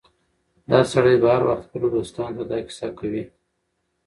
دا سړی به هر وخت خپلو دوستانو ته دا کيسه کوي.